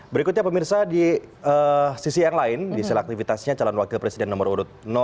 berikutnya pemirsa di sisi yang lain di sel aktivitasnya calon wakil presiden nomor urut satu